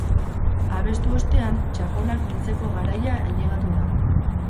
Abestu ostean, txaponak biltzeko garaia ailegatu da.